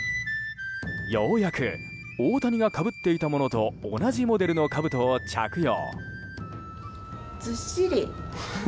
ようやく大谷がかぶっていたものと同じモデルのかぶとを着用。